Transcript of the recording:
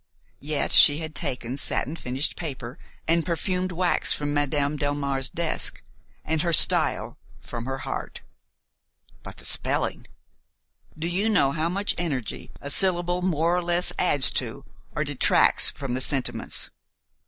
Yet she had taken satin finished paper and perfumed wax from Madame Delmare's desk, and her style from her heart. But the spelling! Do you know how much energy a syllable more or less adds to or detracts from the sentiments?